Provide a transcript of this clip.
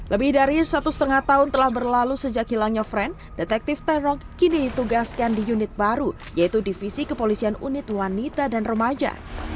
lebih dari satu setengah tahun telah berlalu sejak hilangnya friend detektif tae rock kini ditugaskan di unit baru yaitu divisi kepolisian unit wanita dan remaja